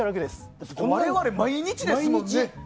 我々、毎日ですもんね。